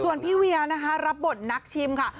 ส่วนพี่เวียนะคะรับบทนักชิมค่ะ